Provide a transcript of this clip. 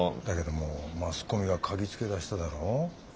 だけどもうマスコミが嗅ぎつけだしただろ。